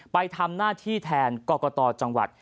ไปทำหน้าที่แทนกรกตจังหวัด